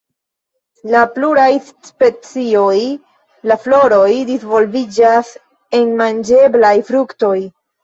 En pluraj specioj, la floroj disvolviĝas en manĝeblaj fruktoj.